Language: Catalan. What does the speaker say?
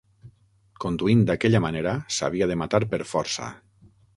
Conduint d'aquella manera, s'havia de matar per força.